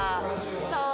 そう！